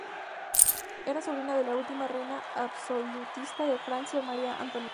Era sobrina de la última reina absolutista de Francia, Maria Antonieta.